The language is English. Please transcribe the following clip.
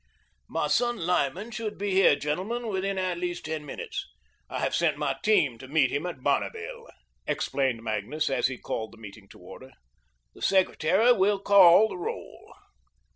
"My son Lyman should be here, gentlemen, within at least ten minutes. I have sent my team to meet him at Bonneville," explained Magnus, as he called the meeting to order. "The Secretary will call the roll."